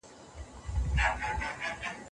هغه ګوندونه چي پروګرام نلري نسي بريالي کېدای.